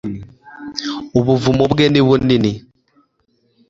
ubuvumobwe ni bunini